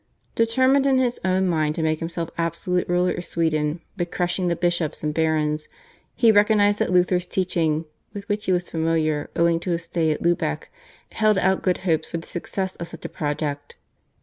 Determined in his own mind to make himself absolute ruler of Sweden by crushing the bishops and barons, he recognised that Luther's teaching, with which he was familiar owing to his stay at Lubeck, held out good hopes for the success of such a project.